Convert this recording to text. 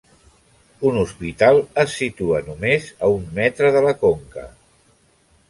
Un hospital es situa només a un metre de la conca.